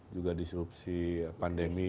juga disrupsi pandemi